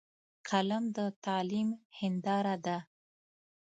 قلم د تعلیم هنداره ده